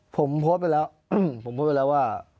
ผมโพสต์ไปแล้ว